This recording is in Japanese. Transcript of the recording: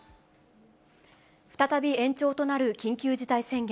再び延長となる緊急事態宣言。